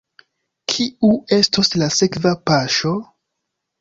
Kiu estos la sekva paŝo?